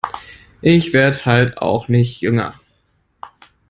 Ich werd halt auch nicht jünger.